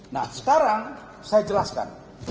nah sekarang saya jelaskan